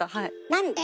なんで？